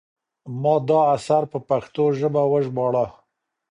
ما دا اثر په پښتو ژبه وژباړه.